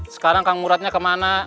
sekarang kang muradnya kemana